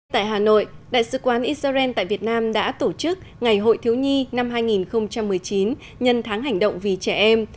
tại hà nội đại sứ quán israel tại việt nam đã tổ chức ngày hội thiếu nhi năm hai nghìn một mươi chín nhân tháng hành động vì trẻ em